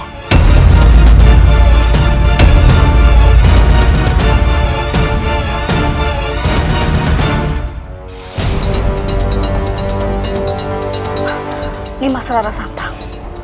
ini mas rara santang